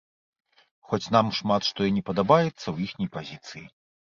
Хоць нам шмат што і не падабаецца ў іхняй пазіцыі.